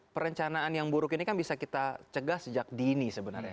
perencanaan yang buruk ini kan bisa kita cegah sejak dini sebenarnya